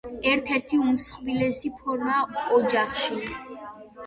ერთ-ერთი უმსხვილესი ფორმაა ოჯახში.